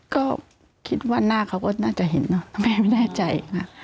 ก็คิดว่าหน้าเขาก็น่าจะเห็นเนอะแม่ไม่แน่ใจค่ะ